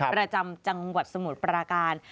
ประจำจังหวัดสมุทรปราการ